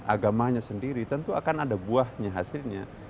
agamanya sendiri tentu akan ada buahnya hasilnya